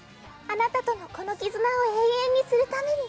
あなたとのこの絆を永遠にするために。